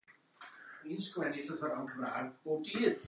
Rwy'n gwybod bod pwyllgorau rhyngwladol yn penderfynu ar enwau gwyddonol